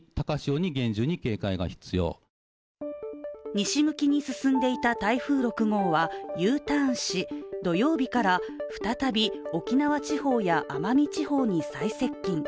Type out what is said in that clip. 西向きに進んでいた台風６号はＵターンし土曜日から再び沖縄地方や奄美地方に最接近。